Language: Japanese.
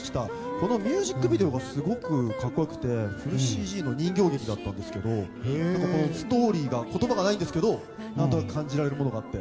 このミュージックビデオがすごく格好良くてフルＣＧの人形劇だったんですけどストーリーが言葉はないんですけど感じられるものがあって。